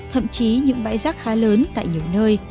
thậm chí những bãi rác khá lớn tại nhiều nơi